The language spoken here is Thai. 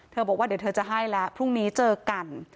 บอกว่าเดี๋ยวเธอจะให้แล้วพรุ่งนี้เจอกัน